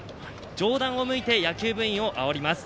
上段を向いて野球部員をあおります。